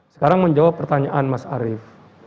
sekarang menjawab pertanyaan mas arief